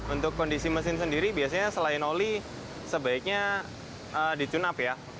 untuk kondisi mesin sendiri biasanya selain oli sebaiknya di tune up ya